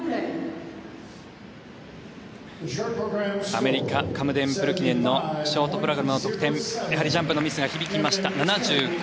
アメリカカムデン・プルキネンのショートプログラムの得点やはりジャンプのミスが響きました。